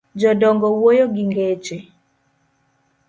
Jodongo wuoyo gi ngeche.